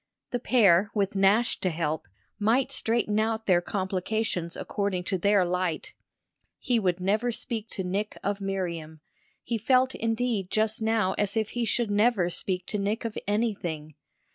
The pair, with Nash to help, might straighten out their complications according to their light. He would never speak to Nick of Miriam; he felt indeed just now as if he should never speak to Nick of anything.